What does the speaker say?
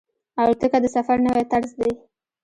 الوتکه د سفر نوی طرز دی.